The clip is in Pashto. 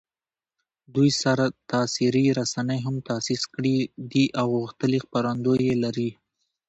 دوی سرتاسري رسنۍ هم تاسیس کړي دي او غښتلي خپرندویې لري